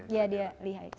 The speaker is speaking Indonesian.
iya dia lihai